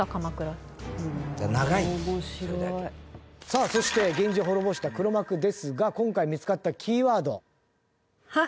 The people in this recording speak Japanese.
さあそして源氏を滅ぼした黒幕ですが今回見つかったキーワード。は。